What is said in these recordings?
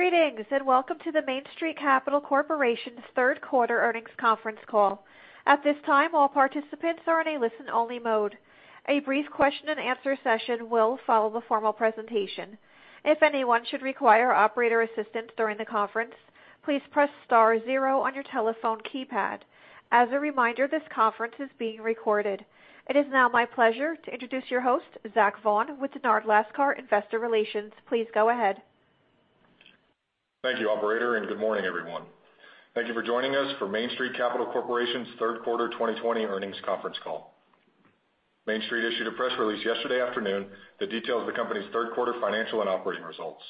It is now my pleasure to introduce your host, Zach Vaughan, with Dennard Lascar Investor Relations. Thank you, operator, and good morning, everyone. Thank you for joining us for Main Street Capital Corporation's Third Quarter 2020 Earnings Conference Call. Main Street issued a press release yesterday afternoon that details the company's third-quarter financial and operating results.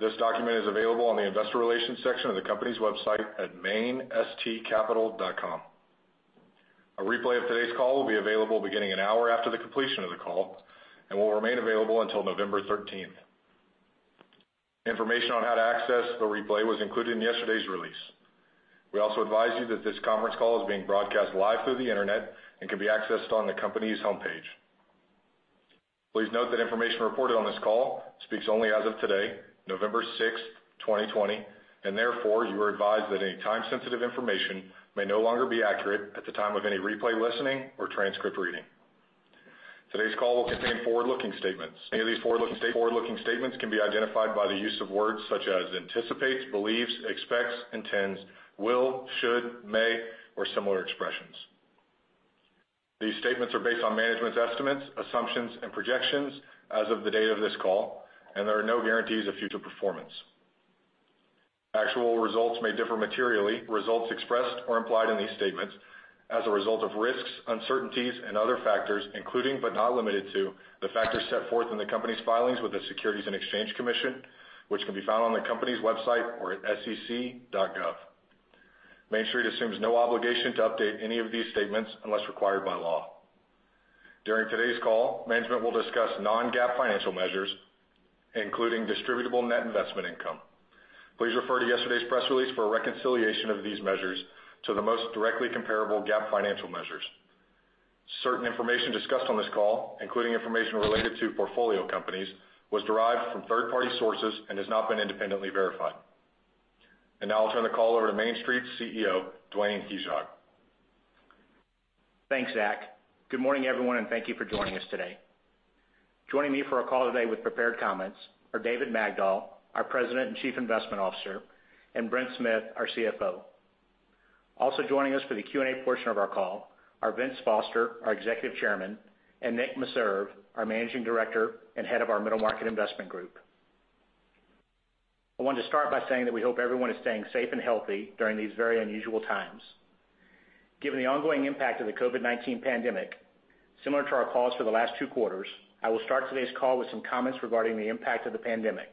This document is available on the Investor Relations section of the company's website at mainstcapital.com. A replay of today's call will be available beginning an hour after the completion of the call and will remain available until November 13th. Information on how to access the replay was included in yesterday's release. We also advise you that this conference call is being broadcast live through the internet and can be accessed on the company's homepage. Please note that information reported on this call speaks only as of today, November 6, 2020, and therefore, you are advised that any time-sensitive information may no longer be accurate at the time of any replay listening or transcript reading. Today's call will contain forward-looking statements. Any of these forward-looking statements can be identified by the use of words such as anticipates, believes, expects, intends, will, should, may, or similar expressions. These statements are based on management's estimates, assumptions and projections as of the date of this call, and there are no guarantees of future performance. Actual results may differ materially from results expressed or implied in these statements as a result of risks, uncertainties and other factors, including but not limited to, the factors set forth in the company's filings with the Securities and Exchange Commission, which can be found on the company's website or at sec.gov. Main Street assumes no obligation to update any of these statements unless required by law. During today's call, management will discuss non-GAAP financial measures, including distributable net investment income. Please refer to yesterday's press release for a reconciliation of these measures to the most directly comparable GAAP financial measures. Certain information discussed on this call, including information related to portfolio companies, was derived from third-party sources and has not been independently verified. Now I'll turn the call over to Main Street's CEO, Dwayne Hyzak. Thanks, Zach. Good morning, everyone. Thank you for joining us today. Joining me for our call today with prepared comments are David Magdol, our President and Chief Investment Officer, and Brent Smith, our CFO. Also joining us for the Q&A portion of our call are Vince Foster, our Executive Chairman, and Nick Meserve, our Managing Director and Head of our Middle Market Investment Group. I want to start by saying that we hope everyone is staying safe and healthy during these very unusual times. Given the ongoing impact of the COVID-19 pandemic, similar to our calls for the last two quarters, I will start today's call with some comments regarding the impact of the pandemic.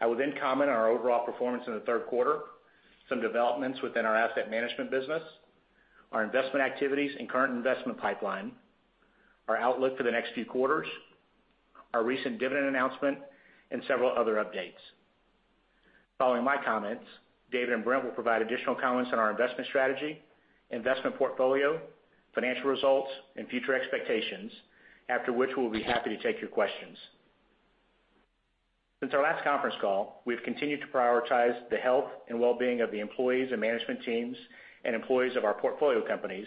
I will then comment on our overall performance in the third quarter, some developments within our asset management business, our investment activities and current investment pipeline, our outlook for the next few quarters, our recent dividend announcement, and several other updates. Following my comments, David and Brent will provide additional comments on our investment strategy, investment portfolio, financial results and future expectations, after which we'll be happy to take your questions. Since our last conference call, we've continued to prioritize the health and well-being of the employees and management teams and employees of our portfolio companies,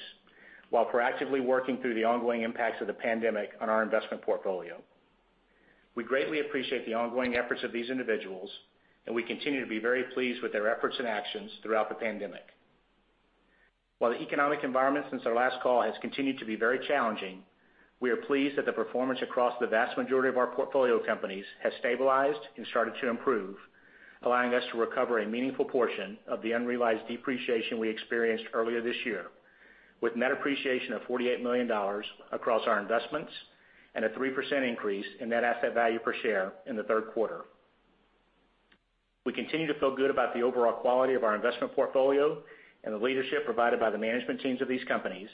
while proactively working through the ongoing impacts of the pandemic on our investment portfolio. We greatly appreciate the ongoing efforts of these individuals, and we continue to be very pleased with their efforts and actions throughout the pandemic. While the economic environment since our last call has continued to be very challenging, we are pleased that the performance across the vast majority of our portfolio companies has stabilized and started to improve, allowing us to recover a meaningful portion of the unrealized depreciation we experienced earlier this year with net appreciation of $48 million across our investments and a 3% increase in net asset value per share in the third quarter. We continue to feel good about the overall quality of our investment portfolio and the leadership provided by the management teams of these companies,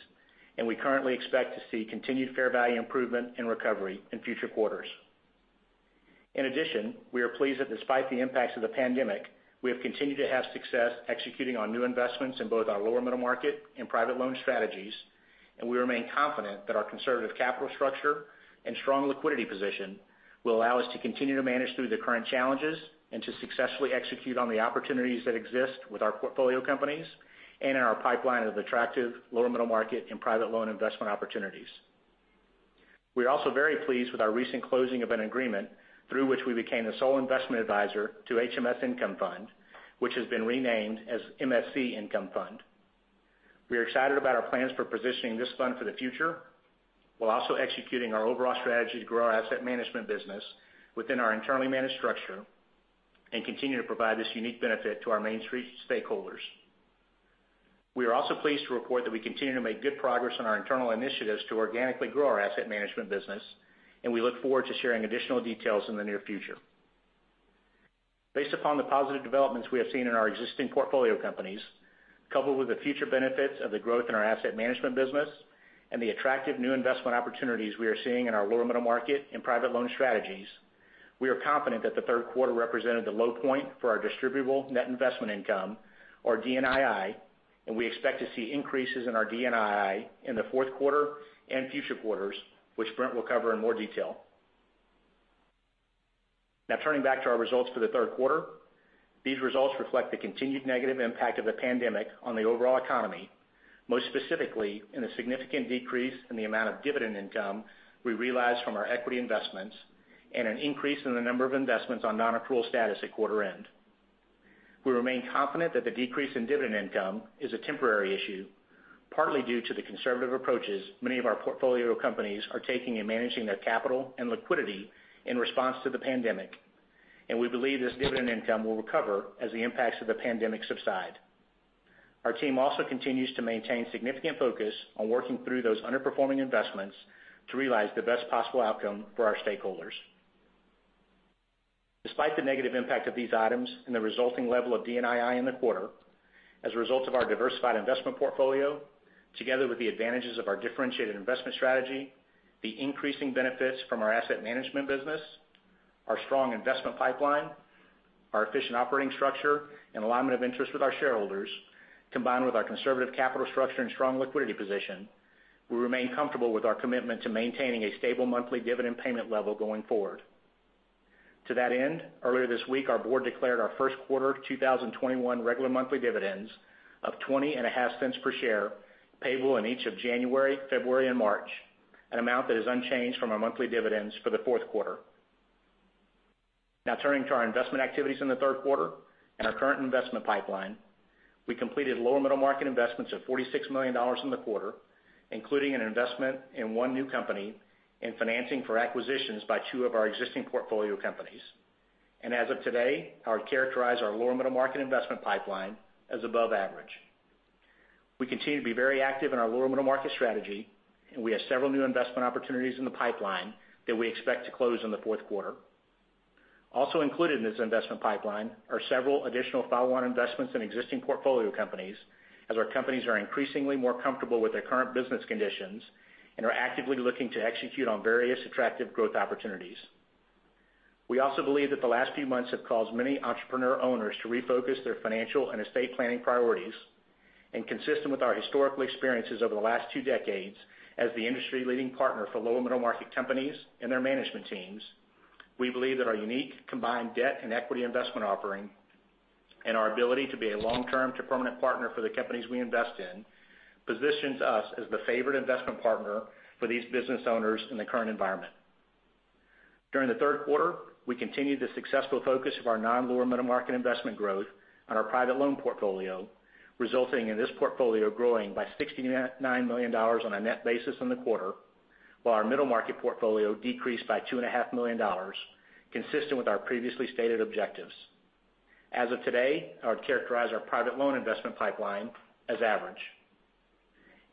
and we currently expect to see continued fair value improvement and recovery in future quarters. In addition, we are pleased that despite the impacts of the pandemic, we have continued to have success executing on new investments in both our lower middle market and private loan strategies, and we remain confident that our conservative capital structure and strong liquidity position will allow us to continue to manage through the current challenges and to successfully execute on the opportunities that exist with our portfolio companies and in our pipeline of attractive lower middle market and private loan investment opportunities. We are also very pleased with our recent closing of an agreement through which we became the sole investment advisor to HMS Income Fund, which has been renamed as MSC Income Fund. We are excited about our plans for positioning this fund for the future, while also executing our overall strategy to grow our asset management business within our internally managed structure and continue to provide this unique benefit to our Main Street stakeholders. We are also pleased to report that we continue to make good progress on our internal initiatives to organically grow our asset management business, and we look forward to sharing additional details in the near future. Based upon the positive developments we have seen in our existing portfolio companies, coupled with the future benefits of the growth in our asset management business and the attractive new investment opportunities we are seeing in our lower middle market and private loan strategies, we are confident that the third quarter represented the low point for our distributable net investment income, or DNII. We expect to see increases in our DNII in the fourth quarter and future quarters, which Brent will cover in more detail. Now turning back to our results for the third quarter. These results reflect the continued negative impact of the pandemic on the overall economy, most specifically in the significant decrease in the amount of dividend income we realized from our equity investments and an increase in the number of investments on non-accrual status at quarter end. We remain confident that the decrease in dividend income is a temporary issue, partly due to the conservative approaches many of our portfolio companies are taking in managing their capital and liquidity in response to the pandemic. We believe this dividend income will recover as the impacts of the pandemic subside. Our team also continues to maintain significant focus on working through those underperforming investments to realize the best possible outcome for our stakeholders. Despite the negative impact of these items and the resulting level of DNII in the quarter, as a result of our diversified investment portfolio, together with the advantages of our differentiated investment strategy, the increasing benefits from our asset management business, our strong investment pipeline, our efficient operating structure, and alignment of interest with our shareholders, combined with our conservative capital structure and strong liquidity position, we remain comfortable with our commitment to maintaining a stable monthly dividend payment level going forward. To that end, earlier this week, our board declared our first quarter 2021 regular monthly dividends of $0.205 per share, payable in each of January, February, and March, an amount that is unchanged from our monthly dividends for the fourth quarter. Now turning to our investment activities in the third quarter and our current investment pipeline. We completed lower middle market investments of $46 million in the quarter, including an investment in one new company in financing for acquisitions by two of our existing portfolio companies. As of today, I would characterize our lower middle market investment pipeline as above average. We continue to be very active in our lower middle market strategy, and we have several new investment opportunities in the pipeline that we expect to close in the fourth quarter. Also included in this investment pipeline are several additional follow-on investments in existing portfolio companies, as our companies are increasingly more comfortable with their current business conditions and are actively looking to execute on various attractive growth opportunities. We also believe that the last few months have caused many entrepreneur owners to refocus their financial and estate planning priorities. Consistent with our historical experiences over the last two decades as the industry-leading partner for lower middle market companies and their management teams, we believe that our unique combined debt and equity investment offering and our ability to be a long-term to permanent partner for the companies we invest in, positions us as the favored investment partner for these business owners in the current environment. During the third quarter, we continued the successful focus of our non-lower middle market investment growth on our private loan portfolio, resulting in this portfolio growing by $69 million on a net basis in the quarter, while our middle market portfolio decreased by $2.5 million, consistent with our previously stated objectives. As of today, I would characterize our private loan investment pipeline as average.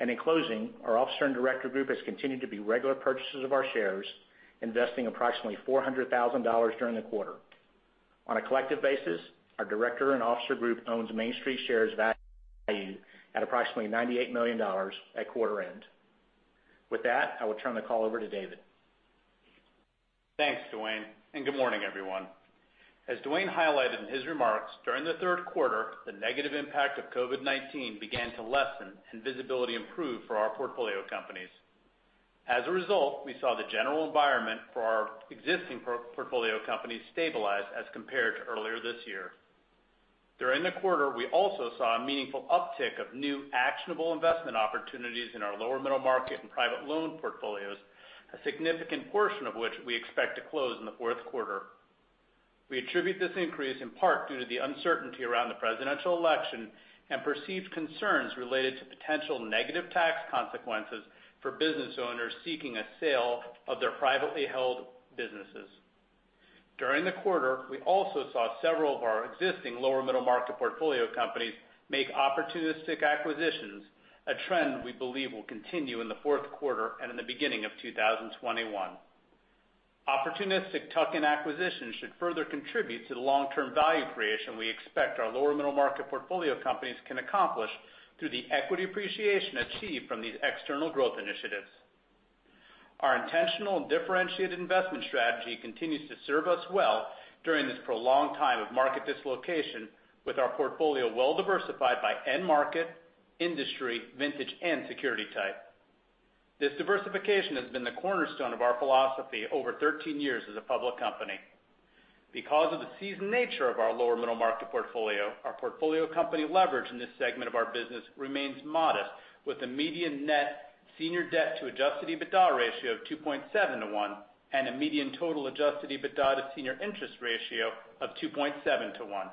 In closing, our officer and director group has continued to be regular purchasers of our shares, investing approximately $400,000 during the quarter. On a collective basis, our director and officer group owns Main Street shares value at approximately $98 million at quarter end. With that, I will turn the call over to David. Thanks, Dwayne. Good morning, everyone. As Dwayne highlighted in his remarks, during the third quarter, the negative impact of COVID-19 began to lessen and visibility improved for our portfolio companies. As a result, we saw the general environment for our existing portfolio companies stabilize as compared to earlier this year. During the quarter, we also saw a meaningful uptick of new actionable investment opportunities in our lower middle market and private loan portfolios, a significant portion of which we expect to close in the fourth quarter. We attribute this increase in part due to the uncertainty around the presidential election and perceived concerns related to potential negative tax consequences for business owners seeking a sale of their privately held businesses. During the quarter, we also saw several of our existing lower middle market portfolio companies make opportunistic acquisitions, a trend we believe will continue in the fourth quarter and in the beginning of 2021. Opportunistic tuck-in acquisitions should further contribute to the long-term value creation we expect our lower middle market portfolio companies can accomplish through the equity appreciation achieved from these external growth initiatives. Our intentional and differentiated investment strategy continues to serve us well during this prolonged time of market dislocation with our portfolio well-diversified by end market, industry, vintage, and security type. This diversification has been the cornerstone of our philosophy over 13 years as a public company. Because of the seasoned nature of our lower middle market portfolio, our portfolio company leverage in this segment of our business remains modest, with a median net senior debt to adjusted EBITDA ratio of 2.7:1 and a median total adjusted EBITDA to senior interest ratio of 2.7:1.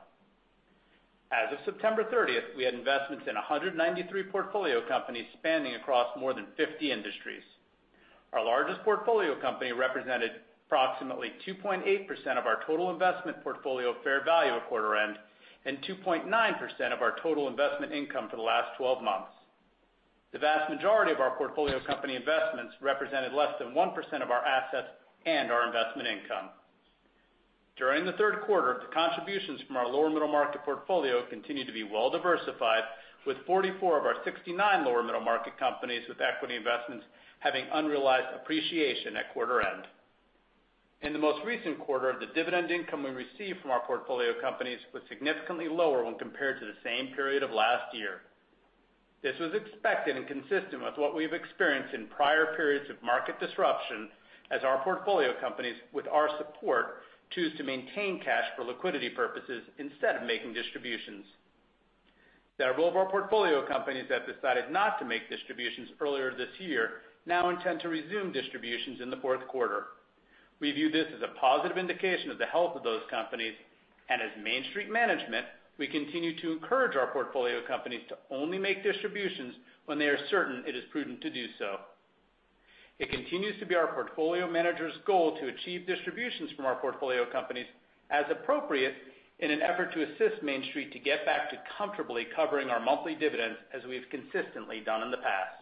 As of September 30th, we had investments in 193 portfolio companies spanning across more than 50 industries. Our largest portfolio company represented approximately 2.8% of our total investment portfolio fair value at quarter end and 2.9% of our total investment income for the last 12 months. The vast majority of our portfolio company investments represented less than 1% of our assets and our investment income. During the third quarter, the contributions from our lower middle market portfolio continued to be well-diversified, with 44 of our 69 lower middle market companies with equity investments having unrealized appreciation at quarter end. In the most recent quarter, the dividend income we received from our portfolio companies was significantly lower when compared to the same period of last year. This was expected and consistent with what we've experienced in prior periods of market disruption, as our portfolio companies, with our support, choose to maintain cash for liquidity purposes instead of making distributions. Several of our portfolio companies that decided not to make distributions earlier this year now intend to resume distributions in the fourth quarter. We view this as a positive indication of the health of those companies, and as Main Street management, we continue to encourage our portfolio companies to only make distributions when they are certain it is prudent to do so. It continues to be our portfolio managers goal to achieve distributions from our portfolio companies as appropriate in an effort to assist Main Street to get back to comfortably covering our monthly dividends as we've consistently done in the past.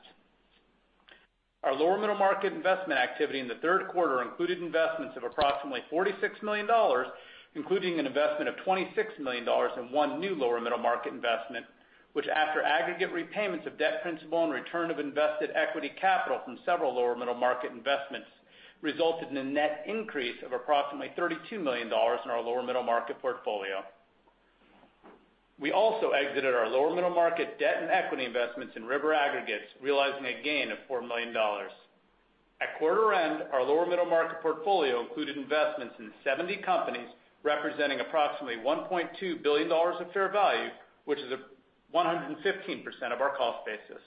Our lower middle market investment activity in the third quarter included investments of approximately $46 million, including an investment of $26 million in one new lower middle market investment, which after aggregate repayments of debt principal and return of invested equity capital from several lower middle market investments, resulted in a net increase of approximately $32 million in our lower middle market portfolio. We also exited our lower-middle-market debt and equity investments in River Aggregates, realizing a gain of $4 million. At quarter end, our lower-middle-market portfolio included investments in 70 companies, representing approximately $1.2 billion of fair value, which is a 115% of our cost basis.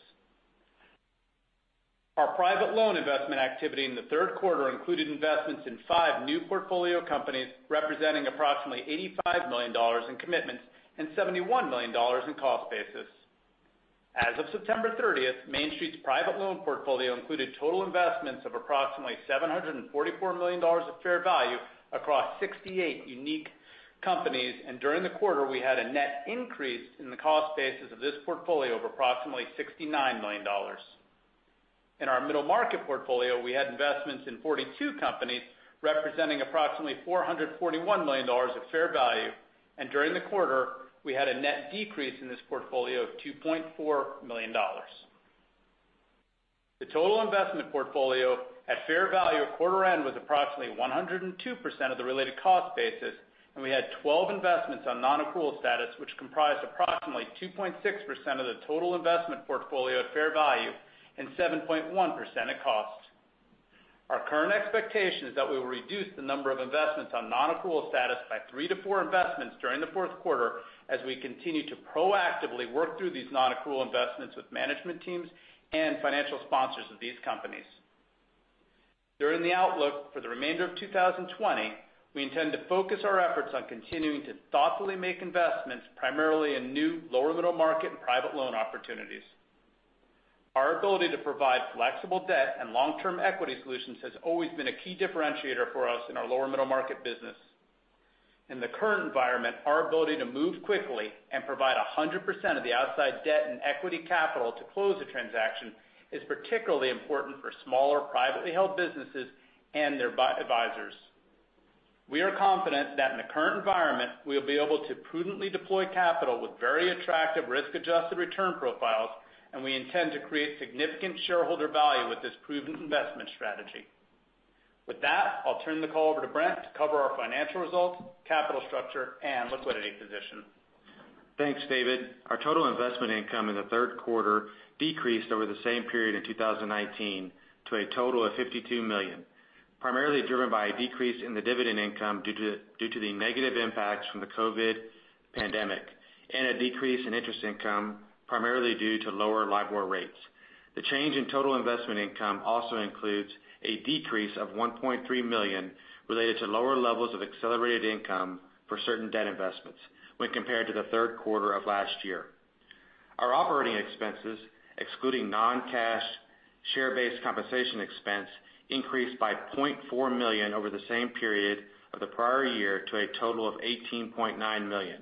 Our private loan investment activity in the third quarter included investments in five new portfolio companies, representing approximately $85 million in commitments and $71 million in cost basis. As of September 30th, Main Street's private loan portfolio included total investments of approximately $744 million of fair value across 68 unique companies. During the quarter, we had a net increase in the cost basis of this portfolio of approximately $69 million. In our middle market portfolio, we had investments in 42 companies representing approximately $441 million of fair value. During the quarter, we had a net decrease in this portfolio of $2.4 million. The total investment portfolio at fair value at quarter end was approximately 102% of the related cost basis, and we had 12 investments on non-accrual status, which comprised approximately 2.6% of the total investment portfolio at fair value and 7.1% at cost. Our current expectation is that we will reduce the number of investments on non-accrual status by three to four investments during the fourth quarter as we continue to proactively work through these non-accrual investments with management teams and financial sponsors of these companies. During the outlook for the remainder of 2020, we intend to focus our efforts on continuing to thoughtfully make investments primarily in new lower middle market and private loan opportunities. Our ability to provide flexible debt and long-term equity solutions has always been a key differentiator for us in our lower middle market business. In the current environment, our ability to move quickly and provide 100% of the outside debt and equity capital to close a transaction is particularly important for smaller, privately held businesses and their advisors. We are confident that in the current environment, we will be able to prudently deploy capital with very attractive risk-adjusted return profiles, and we intend to create significant shareholder value with this proven investment strategy. With that, I'll turn the call over to Brent to cover our financial results, capital structure, and liquidity position. Thanks, David. Our total investment income in the third quarter decreased over the same period in 2019 to a total of $52 million, primarily driven by a decrease in the dividend income due to the negative impacts from the COVID-19, and a decrease in interest income, primarily due to lower LIBOR rates. The change in total investment income also includes a decrease of $1.3 million related to lower levels of accelerated income for certain debt investments when compared to the third quarter of last year. Our operating expenses, excluding non-cash share-based compensation expense, increased by $0.4 million over the same period of the prior year to a total of $18.9 million,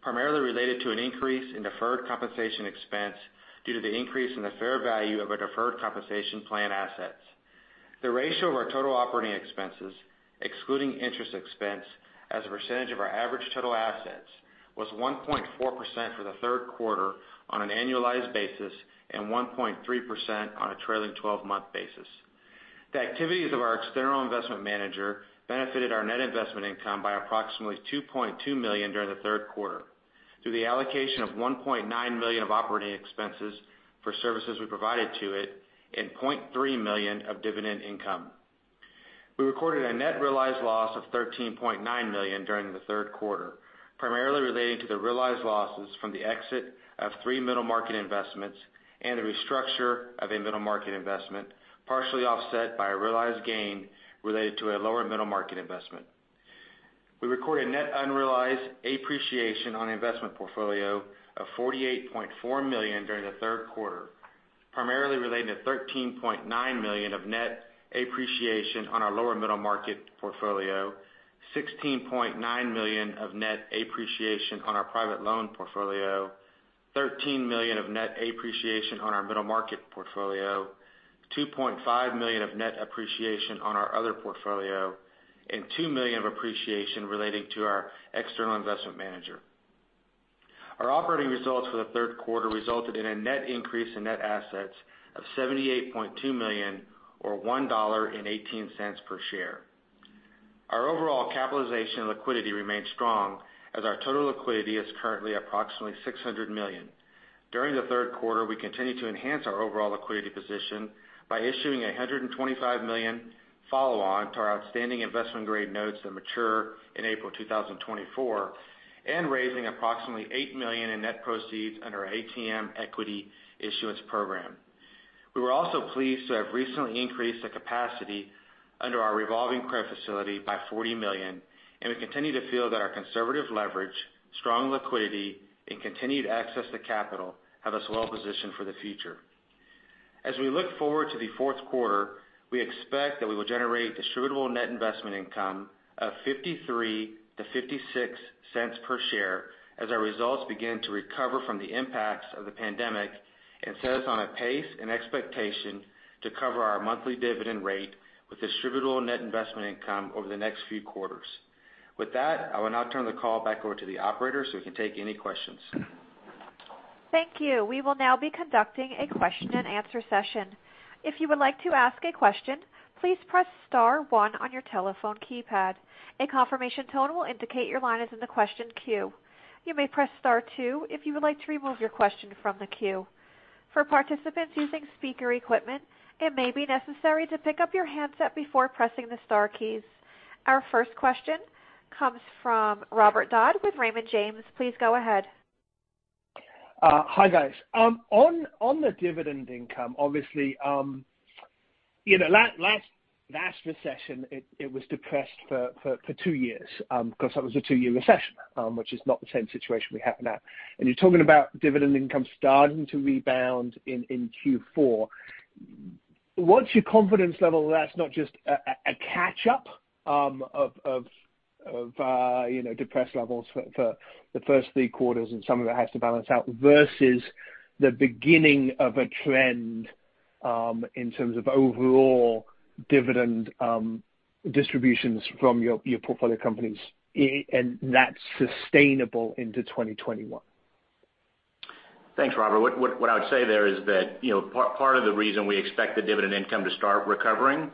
primarily related to an increase in deferred compensation expense due to the increase in the fair value of our deferred compensation plan assets. The ratio of our total operating expenses, excluding interest expense as a percentage of our average total assets, was 1.4% for the third quarter on an annualized basis and 1.3% on a trailing 12-month basis. The activities of our external investment manager benefited our net investment income by approximately $2.2 million during the third quarter through the allocation of $1.9 million of operating expenses for services we provided to it and $0.3 million of dividend income. We recorded a net realized loss of $13.9 million during the third quarter, primarily relating to the realized losses from the exit of three middle market investments and the restructure of a middle market investment, partially offset by a realized gain related to a lower middle market investment. We recorded net unrealized appreciation on investment portfolio of $48.4 million during the third quarter, primarily relating to $13.9 million of net appreciation on our lower middle market portfolio, $16.9 million of net appreciation on our private loan portfolio, $13 million of net appreciation on our middle market portfolio, $2.5 million of net appreciation on our other portfolio, and $2 million of appreciation relating to our external investment manager. Our operating results for the third quarter resulted in a net increase in net assets of $78.2 million or $1.18 per share. Our overall capitalization liquidity remains strong as our total liquidity is currently approximately $600 million. During the third quarter, we continued to enhance our overall liquidity position by issuing $125 million follow-on to our outstanding investment-grade notes that mature in April 2024 and raising approximately $8 million in net proceeds under our ATM equity issuance program. We were also pleased to have recently increased the capacity under our revolving credit facility by $40 million. We continue to feel that our conservative leverage, strong liquidity, and continued access to capital have us well-positioned for the future. As we look forward to the fourth quarter, we expect that we will generate distributable net investment income of $0.53-$0.56 per share as our results begin to recover from the impacts of the pandemic and set us on a pace and expectation to cover our monthly dividend rate with distributable net investment income over the next few quarters. With that, I will now turn the call back over to the operator so we can take any questions. Our first question comes from Robert Dodd with Raymond James. Please go ahead. Hi, guys. On the dividend income, obviously, last recession, it was depressed for two years because that was a two-year recession, which is not the same situation we have now. You're talking about dividend income starting to rebound in Q4. What's your confidence level that's not just a catch-up of depressed levels for the first three quarters and some of it has to balance out versus the beginning of a trend in terms of overall dividend distributions from your portfolio companies and that's sustainable into 2021? Thanks, Robert. What I would say there is that part of the reason we expect the dividend income to start recovering is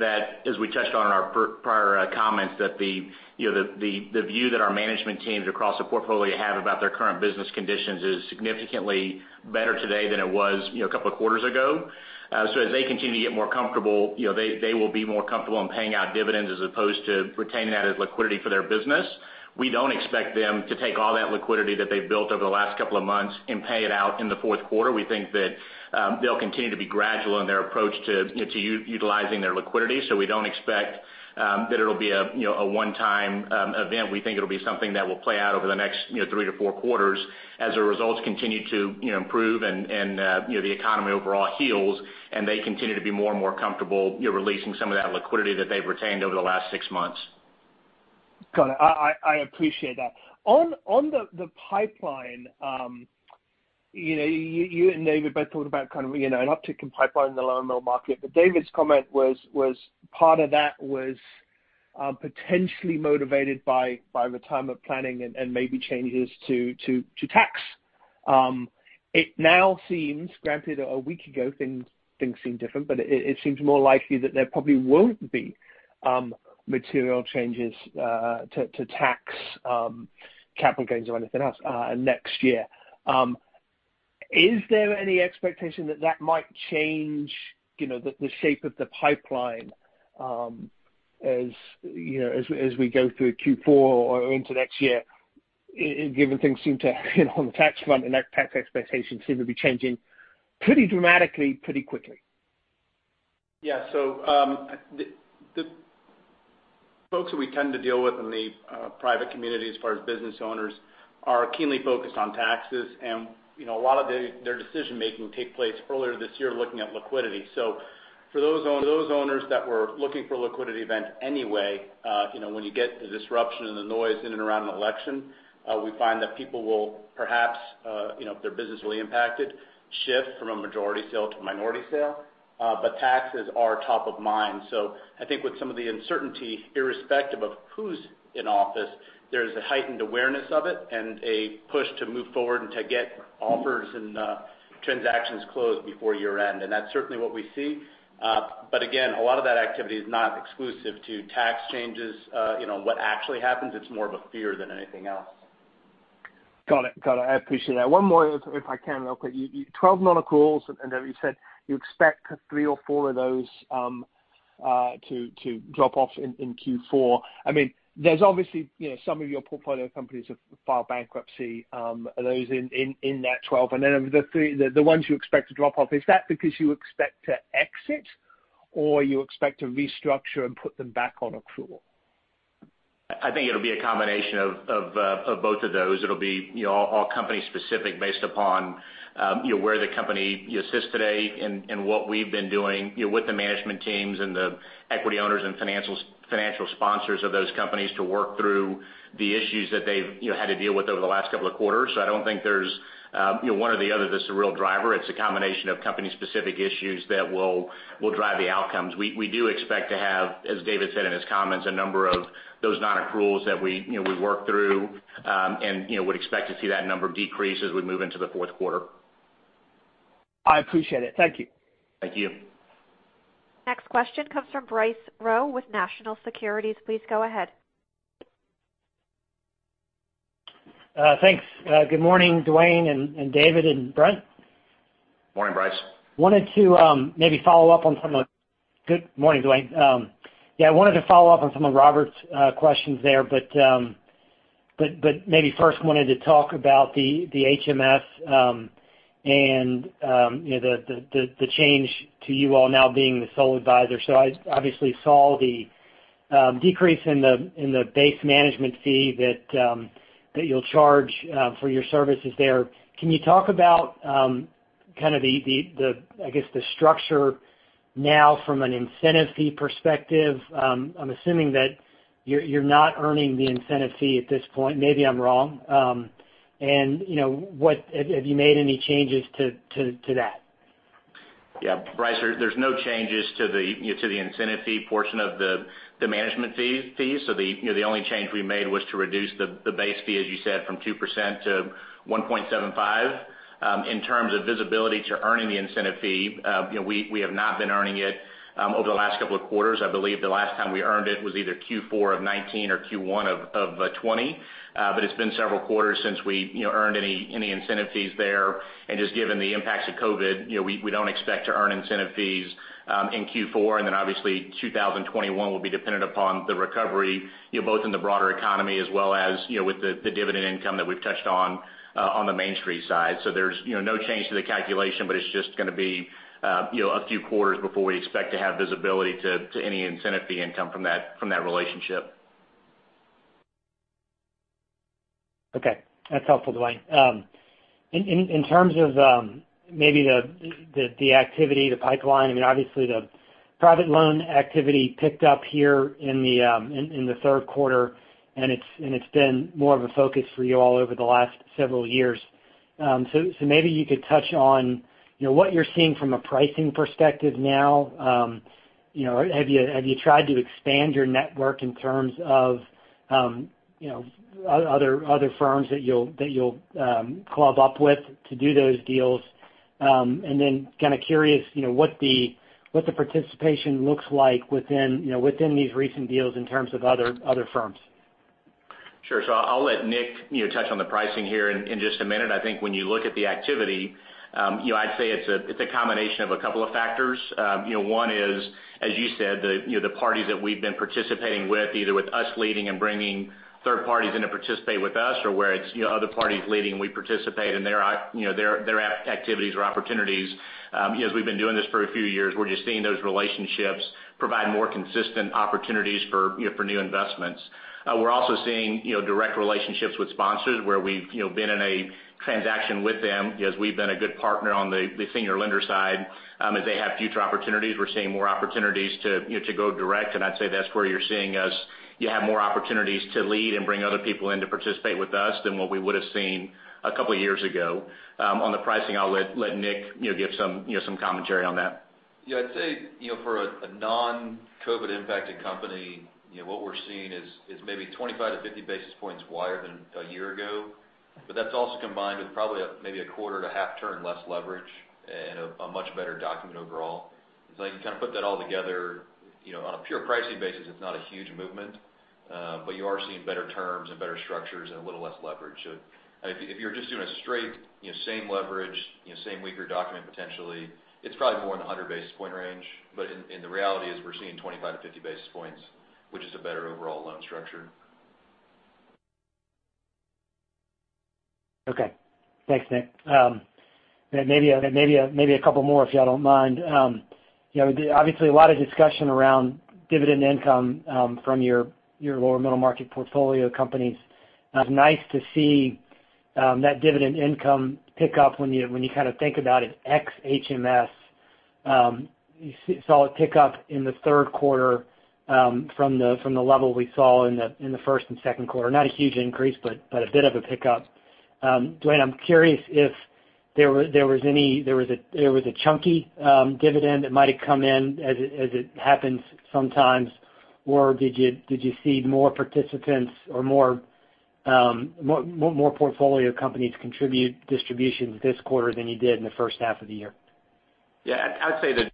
that as we touched on in our prior comments, that the view that our management teams across the portfolio have about their current business conditions is significantly better today than it was a couple of quarters ago. As they continue to get more comfortable, they will be more comfortable in paying out dividends as opposed to retaining that as liquidity for their business. We don't expect them to take all that liquidity that they've built over the last couple of months and pay it out in the fourth quarter. We think that they'll continue to be gradual in their approach to utilizing their liquidity. We don't expect that it'll be a one-time event. We think it'll be something that will play out over the next three to four quarters as their results continue to improve and the economy overall heals and they continue to be more and more comfortable releasing some of that liquidity that they've retained over the last six months. Got it. I appreciate that. On the pipeline, you and David both talked about an uptick in pipeline in the lower middle market. David's comment was part of that was potentially motivated by retirement planning and maybe changes to tax. It now seems, granted a week ago things seemed different, but it seems more likely that there probably won't be material changes to tax capital gains or anything else next year. Is there any expectation that that might change the shape of the pipeline as we go through Q4 or into next year, given things seem to on the tax front and tax expectations seem to be changing pretty dramatically pretty quickly? Yeah. The folks that we tend to deal with in the private community as far as business owners are keenly focused on taxes. A lot of their decision-making take place earlier this year looking at liquidity. For those owners that were looking for a liquidity event anyway, when you get the disruption and the noise in and around an election, we find that people will perhaps, if their business really impacted, shift from a majority sale to a minority sale. Taxes are top of mind. I think with some of the uncertainty, irrespective of who's in office, there's a heightened awareness of it and a push to move forward and to get offers and transactions closed before year-end. That's certainly what we see. Again, a lot of that activity is not exclusive to tax changes, what actually happens, it's more of a fear than anything else. Got it. I appreciate that. One more if I can real quick. 12 non-accruals, you said you expect three or four of those to drop off in Q4. There's obviously some of your portfolio companies have filed bankruptcy, are those in that 12? Of the ones you expect to drop off, is that because you expect to exit or you expect to restructure and put them back on accrual? I think it'll be a combination of both of those. It'll be all company specific based upon where the company sits today and what we've been doing with the management teams and the equity owners and financial sponsors of those companies to work through the issues that they've had to deal with over the last couple of quarters. I don't think there's one or the other that's a real driver. It's a combination of company specific issues that will drive the outcomes. We do expect to have, as David said in his comments, a number of those non-accruals that we work through and would expect to see that number decrease as we move into the fourth quarter. I appreciate it. Thank you. Thank you. Next question comes from Bryce Rowe with National Securities. Please go ahead. Thanks. Good morning, Dwayne and David and Brent. Morning, Bryce. Good morning, Dwayne. Yeah, I wanted to follow up on some of Robert's questions there, but maybe first wanted to talk about the HMS, and the change to you all now being the sole advisor. I obviously saw the decrease in the base management fee that you'll charge for your services there. Can you talk about the structure now from an incentive fee perspective? I'm assuming that you're not earning the incentive fee at this point. Maybe I'm wrong. Have you made any changes to that? Yeah. Bryce, there's no changes to the incentive fee portion of the management fee. The only change we made was to reduce the base fee, as you said, from 2%-1.75%. In terms of visibility to earning the incentive fee, we have not been earning it over the last couple of quarters. I believe the last time we earned it was either Q4 of 2019 or Q1 of 2020. It's been several quarters since we earned any incentive fees there. Just given the impacts of COVID, we don't expect to earn incentive fees in Q4. Obviously 2021 will be dependent upon the recovery, both in the broader economy as well as with the dividend income that we've touched on the Main Street side. There's no change to the calculation, but it's just going to be a few quarters before we expect to have visibility to any incentive fee income from that relationship. Okay. That's helpful, Dwayne. In terms of maybe the activity, the pipeline, obviously the private loan activity picked up here in the third quarter, and it's been more of a focus for you all over the last several years. Maybe you could touch on what you're seeing from a pricing perspective now. Have you tried to expand your network in terms of other firms that you'll club up with to do those deals? Kind of curious what the participation looks like within these recent deals in terms of other firms. Sure. I'll let Nick touch on the pricing here in just a minute. I think when you look at the activity, I'd say it's a combination of a couple of factors. One is, as you said, the parties that we've been participating with, either with us leading and bringing third parties in to participate with us or where it's other parties leading and we participate in their activities or opportunities. We've been doing this for a few years, we're just seeing those relationships provide more consistent opportunities for new investments. We're also seeing direct relationships with sponsors where we've been in a transaction with them because we've been a good partner on the senior lender side. As they have future opportunities, we're seeing more opportunities to go direct, and I'd say that's where you're seeing us have more opportunities to lead and bring other people in to participate with us than what we would have seen a couple of years ago. On the pricing, I'll let Nick give some commentary on that. Yeah, I'd say for a non-COVID impacted company, what we're seeing is maybe 25 to 50 basis points wider than a year ago. That's also combined with probably maybe a quarter to a half turn less leverage and a much better document overall. You kind of put that all together, on a pure pricing basis, it's not a huge movement. You are seeing better terms and better structures and a little less leverage. If you're just doing a straight same leverage, same weaker document potentially, it's probably more in the 100 basis point range. The reality is we're seeing 25 to 50 basis points, which is a better overall loan structure. Okay. Thanks, Nick. Maybe a couple more, if y'all don't mind. Obviously, a lot of discussion around dividend income from your lower middle market portfolio companies. It's nice to see that dividend income pick up when you kind of think about it, ex HMS. You saw it pick up in the third quarter from the level we saw in the first and second quarter. Not a huge increase, but a bit of a pickup. Dwayne, I'm curious if there was a chunky dividend that might have come in as it happens sometimes, or did you see more participants or more portfolio companies contribute distributions this quarter than you did in the first half of the year? Yeah, I'd say that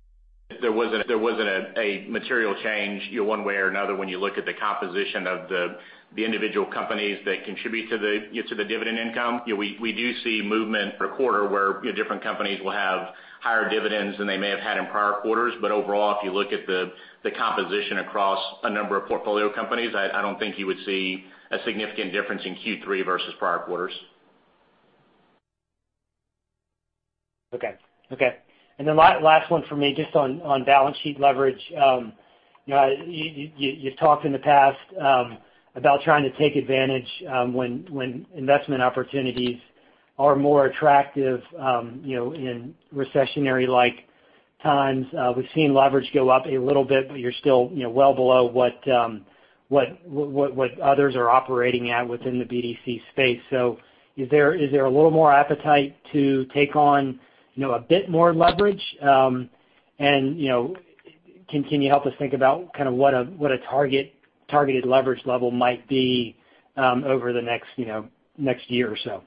there wasn't a material change one way or another when you look at the composition of the individual companies that contribute to the dividend income. We do see movement per quarter where different companies will have higher dividends than they may have had in prior quarters. Overall, if you look at the composition across a number of portfolio companies, I don't think you would see a significant difference in Q3 versus prior quarters. Okay. Last one from me, just on balance sheet leverage. You've talked in the past about trying to take advantage when investment opportunities are more attractive in recessionary-like times. We've seen leverage go up a little bit, but you're still well below what others are operating at within the BDC space. Is there a little more appetite to take on a bit more leverage? Can you help us think about what a targeted leverage level might be over the next year or so?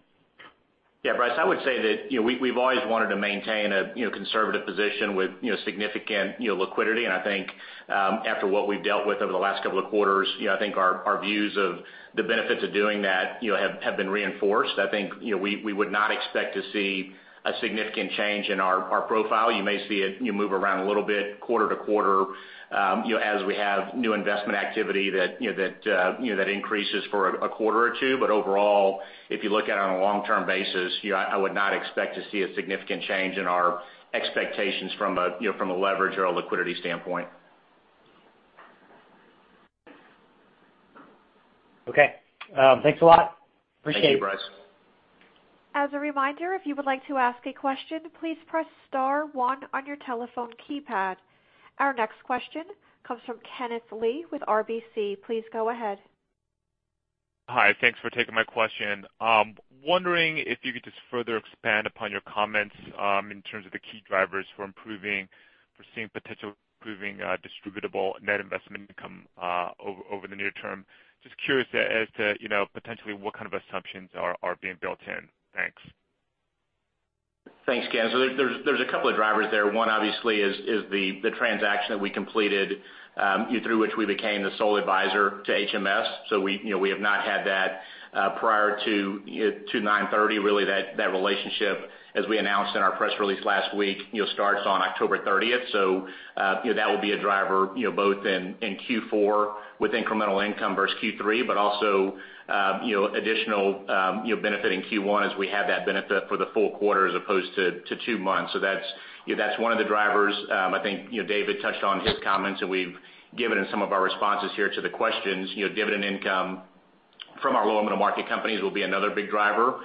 Yeah, Bryce. I would say that we've always wanted to maintain a conservative position with significant liquidity. I think after what we've dealt with over the last couple of quarters, I think our views of the benefits of doing that have been reinforced. I think we would not expect to see a significant change in our profile. You may see it move around a little bit quarter to quarter as we have new investment activity that increases for a quarter or two. Overall, if you look at it on a long-term basis, I would not expect to see a significant change in our expectations from a leverage or a liquidity standpoint. Okay. Thanks a lot. Appreciate it. Thank you, Bryce. As a reminder, if you would like to ask a question, please press star one on your telephone keypad. Our next question comes from Kenneth Lee with RBC. Please go ahead. Hi. Thanks for taking my question. Wondering if you could just further expand upon your comments in terms of the key drivers for seeing potential improving distributable net investment income over the near term. Just curious as to potentially what kind of assumptions are being built in. Thanks. Thanks, Ken. There's a couple of drivers there. One obviously is the transaction that we completed through which we became the sole advisor to HMS. We have not had that prior to 09/30. Really that relationship, as we announced in our press release last week, starts on October 30th. That will be a driver both in Q4 with incremental income versus Q3, but also additional benefit in Q1 as we have that benefit for the full quarter as opposed to two months. That's one of the drivers. I think David touched on his comments, and we've given in some of our responses here to the questions. Dividend income from our lower middle market companies will be another big driver.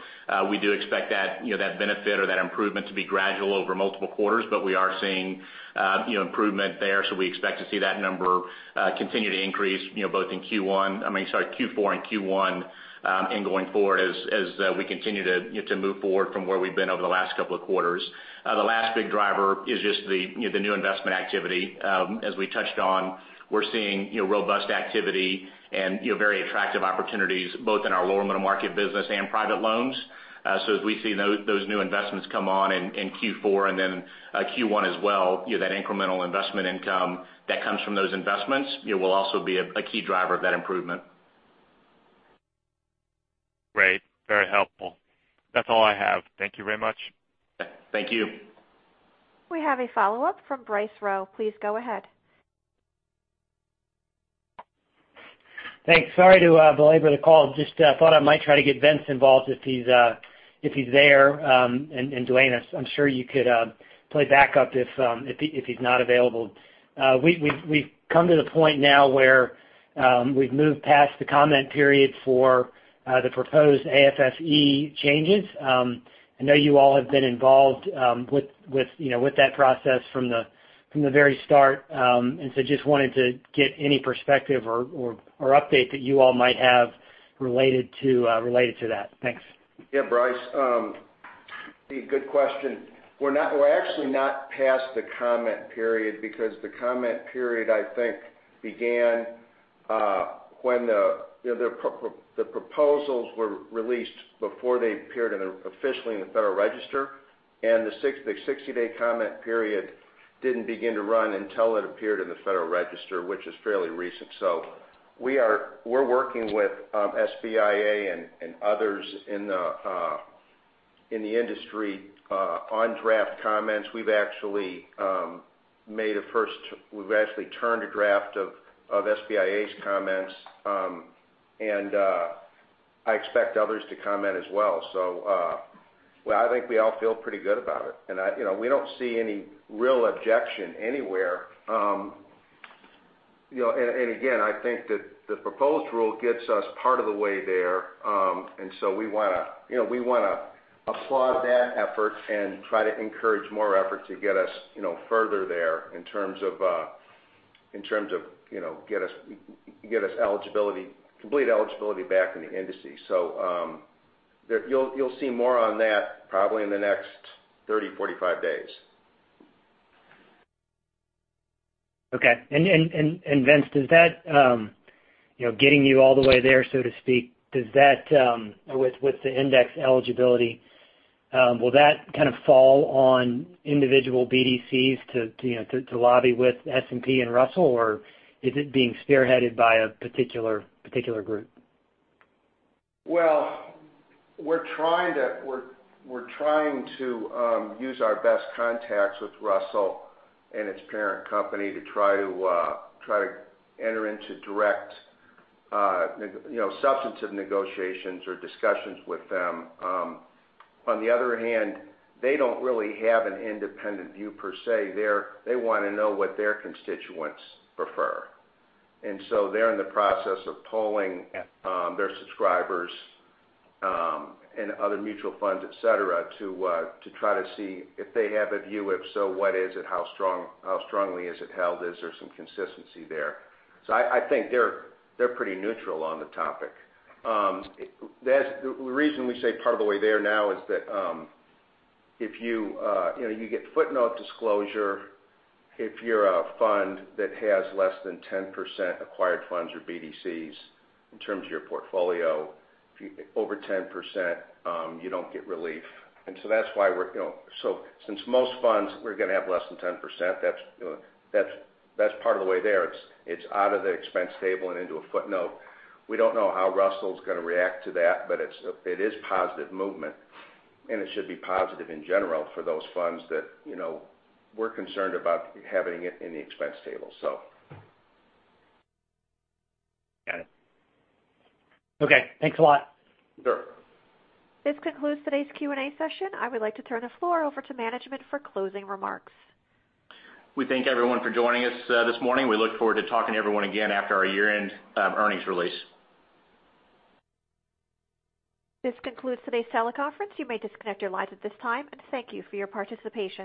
We do expect that benefit or that improvement to be gradual over multiple quarters, but we are seeing improvement there. We expect to see that number continue to increase both in Q4 and Q1, and going forward as we continue to move forward from where we've been over the last couple of quarters. The last big driver is just the new investment activity. As we touched on, we're seeing robust activity and very attractive opportunities both in our lower middle market business and private loans. As we see those new investments come on in Q4 and then Q1 as well, that incremental investment income that comes from those investments will also be a key driver of that improvement. Great. Very helpful. That's all I have. Thank you very much. Thank you. We have a follow-up from Bryce Rowe. Please go ahead. Thanks. Sorry to belabor the call. I just thought I might try to get Vince involved if he's there, and Dwayne, I'm sure you could play backup if he's not available. We've come to the point now where we've moved past the comment period for the proposed AFFE changes. I know you all have been involved with that process from the very start. I just wanted to get any perspective or update that you all might have related to that. Thanks. Yeah, Bryce. Good question. We're actually not past the comment period because the comment period, I think, began when the proposals were released before they appeared officially in the Federal Register. The 60-day comment period didn't begin to run until it appeared in the Federal Register, which is fairly recent. We're working with SBIA and others in the industry on draft comments. We've actually turned a draft of SBIA's comments. I expect others to comment as well. I think we all feel pretty good about it. We don't see any real objection anywhere. Again, I think that the proposed rule gets us part of the way there. We want to applaud that effort and try to encourage more effort to get us further there in terms of get us complete eligibility back in the indices. You'll see more on that probably in the next 30, 45 days. Okay. Vince, does that getting you all the way there, so to speak, with the index eligibility, will that kind of fall on individual BDCs to lobby with S&P and Russell? Or is it being spearheaded by a particular group? Well, we're trying to use our best contacts with Russell Indexes and its parent company to try to enter into direct substantive negotiations or discussions with them. They don't really have an independent view per se. They want to know what their constituents prefer. They're in the process of polling their subscribers and other mutual funds, et cetera, to try to see if they have a view. If so, what is it? How strongly is it held? Is there some consistency there? I think they're pretty neutral on the topic. The reason we say part of the way there now is that if you get footnote disclosure, if you're a fund that has less than 10% acquired funds or BDCs in terms of your portfolio. If you over 10%, you don't get relief. Since most funds, we're going to have less than 10%, that's part of the way there. It's out of the expense table and into a footnote. We don't know how Russell's going to react to that, but it is positive movement, and it should be positive in general for those funds that we're concerned about having it in the expense table. Got it. Okay. Thanks a lot. Sure. This concludes today's Q&A session. I would like to turn the floor over to management for closing remarks. We thank everyone for joining us this morning. We look forward to talking to everyone again after our year-end earnings release. This concludes today's teleconference. You may disconnect your lines at this time, and thank you for your participation.